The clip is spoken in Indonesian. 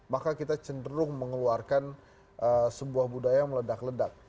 maka kita cenderung mengeluarkan sebuah budaya yang meledak ledak